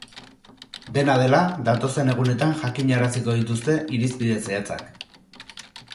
Dena dela, datozen egunetan jakinaraziko dituzte irizpide zehatzak.